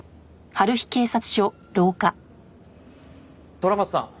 虎松さん。